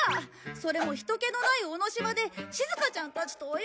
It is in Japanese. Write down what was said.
それも人けのない尾の島でしずかちゃんたちと泳ぎたい！